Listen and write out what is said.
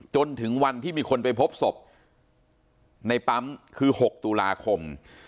จนถึงวันที่มีคนไปพบศพในปั๊มคือ๖ตุลาคม